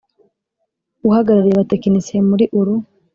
uhagarariye abatechnicie muri uru